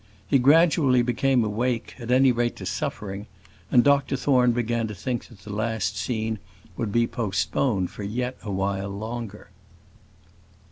He gradually became awake, at any rate to suffering, and Dr Thorne began to think that the last scene would be postponed for yet a while longer.